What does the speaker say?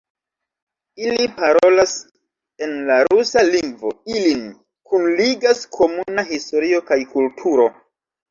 Ili parolas en la rusa lingvo, ilin kunligas komuna historio kaj kulturo.